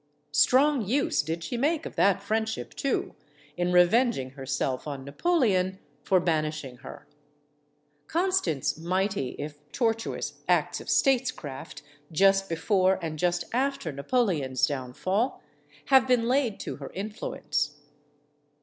Strong use did she make of that friendship, too, in revenging herself on Napoleon for banishing her. Con stant's mighty if tortuous acts of statescraft, just before and just after Napoleon's downfall, have been laid to her influence.